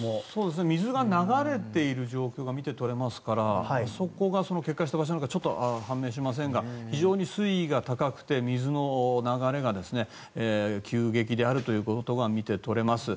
水が流れている状況が見て取れますからそこが決壊した場所なのか判明しませんが非常に水位が高くて、水の流れが急激であるということが見て取れます。